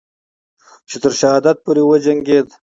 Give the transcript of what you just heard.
چې تر شهادت پورې وجنگید